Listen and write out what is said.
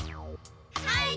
はい！